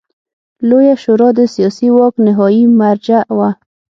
لویه شورا د سیاسي واک نهايي مرجع وه.